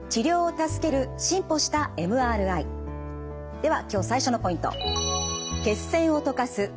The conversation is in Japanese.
では今日最初のポイント。